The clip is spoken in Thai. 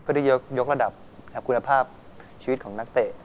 ได้ยกระดับคุณภาพชีวิตของนักเตะ